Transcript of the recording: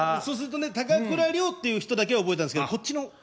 そうするとね高倉陵っていう人だけは覚えたんですけどこっちの。